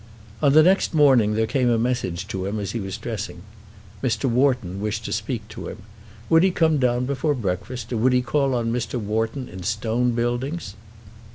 On the next morning there came a message to him as he was dressing. Mr. Wharton wished to speak to him. Would he come down before breakfast, or would he call on Mr. Wharton in Stone Buildings?